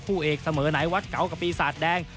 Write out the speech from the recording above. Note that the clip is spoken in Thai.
ผู้เอ่ยเสมอไหนวัดเก๋ากับภีร์สาหร่าง